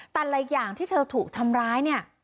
แต่ละอย่างที่เธอถูกทำร้ายเนี่ย